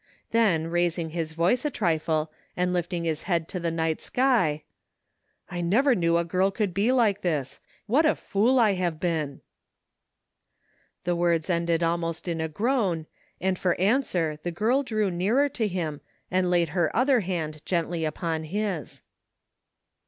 Then, raising his voice a trifle, and lifting his head to the night sky : 95 THE FINDING OF JASPER HOLT " I never knew a girl could be like this! .What a fool I have been!" The words ended almost in a groan, and for answer the girl drew nearer to him and laid her other hand gently upon his.